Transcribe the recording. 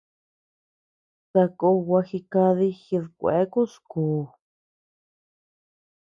Sakó gua jikadi jidkueakus kú.